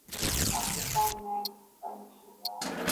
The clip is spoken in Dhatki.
پاڪستان ۾ پنچ صوبا هي.